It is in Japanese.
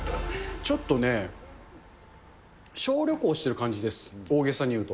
ちょっとね、小旅行してる感じです、大げさに言うと。